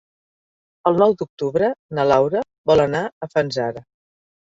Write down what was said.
El nou d'octubre na Laura vol anar a Fanzara.